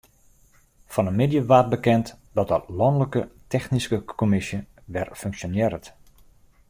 Fan 'e middei waard bekend dat de lanlike technyske kommisje wer funksjonearret.